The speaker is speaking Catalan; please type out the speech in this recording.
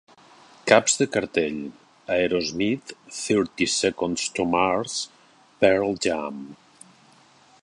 Caps de cartell: Aerosmith, Thirty Seconds to Mars, Pearl Jam.